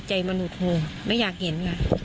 ใจมนุษย์ห่วงไม่อยากเห็น